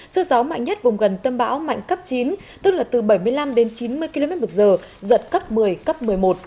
sức gió mạnh nhất vùng gần tâm bão mạnh cấp chín tức là từ bảy mươi năm đến chín mươi km một giờ giật cấp một mươi cấp một mươi một